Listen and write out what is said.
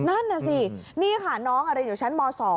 นั่นน่ะสินี่ค่ะน้องเรียนอยู่ชั้นม๒